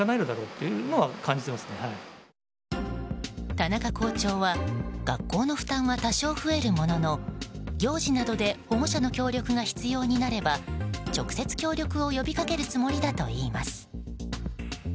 田中校長は学校の負担は多少増えるものの行事などで保護者の協力が必要になれば直接協力を呼びかけるつもりだといいます。